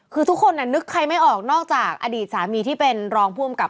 คือทุกคนนึกใครไม่ออกนอกจากอดีตสามีที่เป็นรองผู้อำกับ